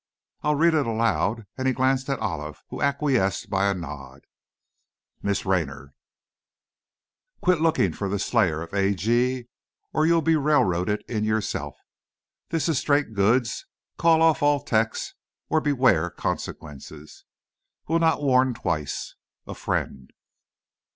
"I'll read it aloud?" and he glanced at Olive, who acquiesced by a nod. "Miss Raynor: "Quit looking for slayer of A.G. or you'll be railroaded in yourself. This is straight goods. Call off all Tecs, or beware consequences. Will not warn twice! "A Friend."